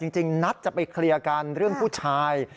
จริงนัดจะไปเคลียร์กันเรื่องผู้ชาย